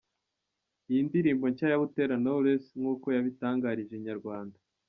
Iyi ndirimbo nshya ya Butera Knowless nk'uko yabitangarije Inyarwanda.